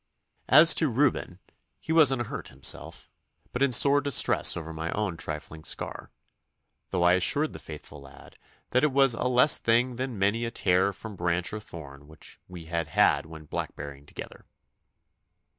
As to Reuben, he was unhurt himself, but in sore distress over my own trifling scar, though I assured the faithful lad that it was a less thing than many a tear from branch or thorn which we had had when blackberrying together.